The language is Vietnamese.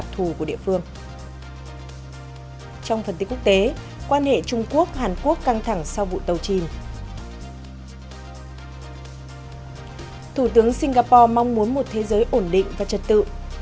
thủ tướng singapore mong muốn một thế giới ổn định và trật tự